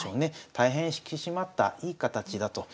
大変引き締まったいい形だと。